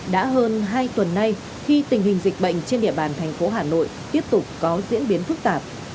đã hơn hai tuần nay khi tình hình dịch bệnh trên địa bàn thành phố hà nội tiếp tục có diễn biến phức tạp